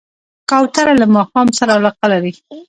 کوتره له ماښام سره علاقه لري.